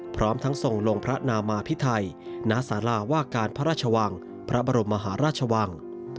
พร้อมทั้งทรงลงพระนามาพิไทยณสาราว่าการพระราชวังพระบรมมหาราชวัง